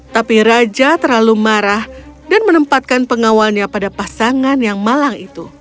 tapi raja terlalu marah dan menempatkan pengawalnya pada pasangan yang malang itu